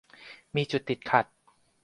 มีจุดติดขัด